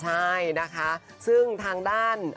ใช่นะคะซึ่งทางด้าน